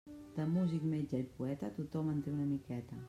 De músic, metge i poeta, tothom en té una miqueta.